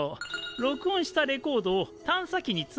録音したレコードを探査機に積んだんだ。